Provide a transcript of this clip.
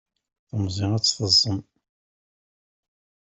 Temẓi ad tt-teẓẓem.